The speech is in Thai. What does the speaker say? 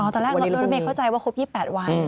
ตอนแรกโดยไม่เข้าใจว่าครบ๒๘วัน